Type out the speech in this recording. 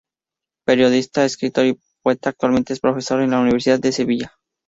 Periodista, escritor y poeta, actualmente es profesor en la Universidad de Sevilla.